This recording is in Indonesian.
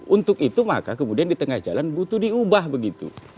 untuk itu maka kemudian di tengah jalan butuh diubah begitu